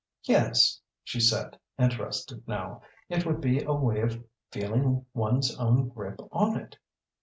"Yes," she said, interested now "it would be a way of feeling one's own grip on it."